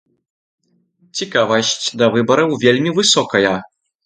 Цікавасць да выбараў вельмі высокая.